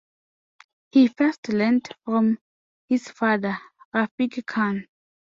He first learned from his father Rafiq Khan.